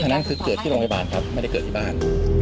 นั่นคือเกิดที่โรงพยาบาลครับไม่ได้เกิดที่บ้าน